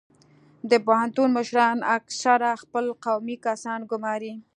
د پوهنتون مشران اکثرا خپل قومي کسان ګماري